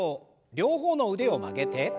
両方の腕を曲げて。